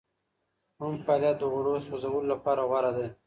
کوم فعالیت د غوړو سوځولو لپاره غوره دی؟